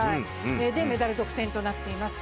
それでメダル独占となっています。